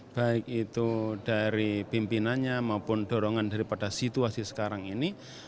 baik itu dari pimpinannya maupun dorongan daripada situasi sekarang ini